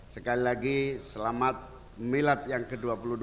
sekali lagi selamat milad yang ke dua puluh dua